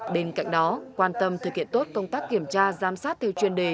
bên cạnh đó quan tâm thực hiện tốt công tác kiểm tra giám sát theo chuyên đề